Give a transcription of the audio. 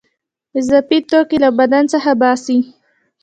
اضافي توکي له بدن څخه باسي.